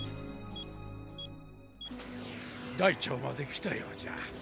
大腸まで来たようじゃ。